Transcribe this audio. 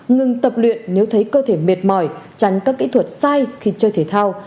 ngừng tập luyện nếu thấy cơ thể mệt mỏi tránh các kỹ thuật sai khi chơi thể thao